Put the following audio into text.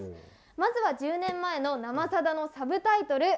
まずは１０年前の「生さだ」のサブタイトル「